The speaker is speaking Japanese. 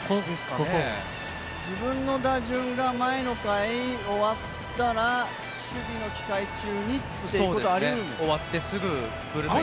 自分の打順が前の回終わったら守備の機会中にということは終わってすぐブルペンに。